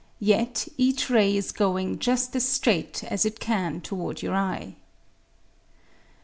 Yet each ray is going just as straight as it can toward your eye.